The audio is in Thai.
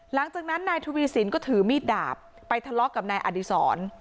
หลังจากนั้นนายทวีสินก็ถือมีดดาบไปทะเลาะกับนายอดีศร